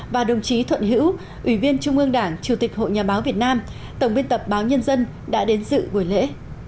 và đồng chí thuận hữu ủy viên trung ương đảng chủ tịch hội nhà báo việt nam tổng biên tập báo nhân dân đã đến dự buổi lễ